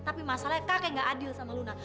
tapi masalahnya kakek gak adil sama luna